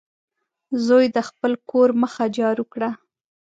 زوی د خپل کور مخه جارو کړه.